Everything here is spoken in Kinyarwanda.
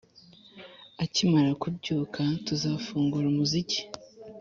akimara kubyuka, tuzafungura umuziki. lukaszpp